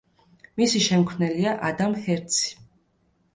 მისი შემქმნელია ადამ ჰერცი.